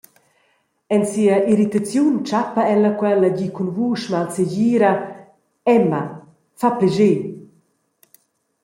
En sia irritaziun tschappa ella quel e di cun vusch malsegira: «Emma, fa plascher.»